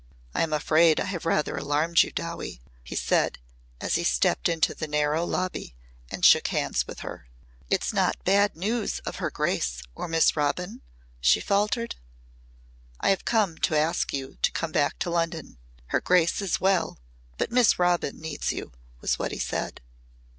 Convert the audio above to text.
"I am afraid I have rather alarmed you, Dowie," he said as he stepped into the narrow lobby and shook hands with her. "It's not bad news of her grace or Miss Robin?" she faltered. "I have come to ask you to come back to London. Her grace is well but Miss Robin needs you," was what he said.